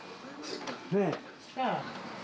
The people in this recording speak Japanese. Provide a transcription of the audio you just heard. ねえ。